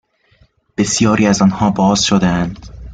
بسیاری از آنها باز شدهاند